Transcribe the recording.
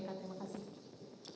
kpk terima kasih